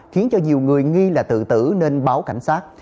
khiến cho nhiều người nghi là tự tử nên báo cảnh sát